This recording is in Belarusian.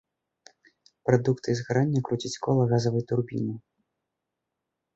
Прадукты згарання круцяць кола газавай турбіны.